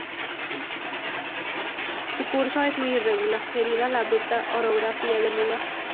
Su curso es muy irregular, debido a la abrupta orografía del lugar.